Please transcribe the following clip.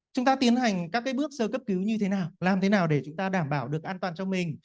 chúng ta tiến hành các bước sơ cấp cứu như thế nào làm thế nào để chúng ta đảm bảo được an toàn cho mình